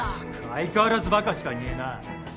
相変わらずバカしかいねえな。